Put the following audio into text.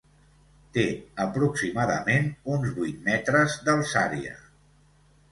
Té aproximadament uns vuit metres d'alçària.